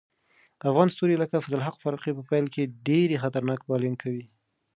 افغان ستوري لکه فضل الحق فاروقي په پیل کې ډېر خطرناک بالینګ کوي.